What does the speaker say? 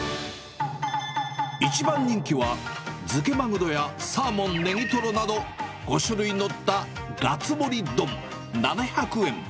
一番人気は、漬けマグロやサーモン、ネギトロなど５種類載ったガツ盛り丼７００円。